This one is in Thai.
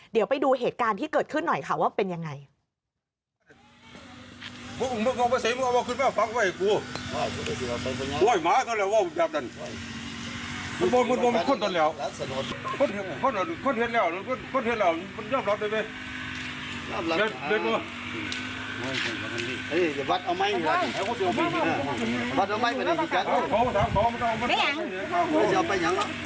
เดี๋ยวไปดูเหตุการณ์ที่เกิดขึ้นหน่อยค่ะว่าเป็นยังไง